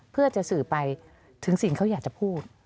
เพื่อจะสื่อไปถึงสิ่งเขาอยากจะพูด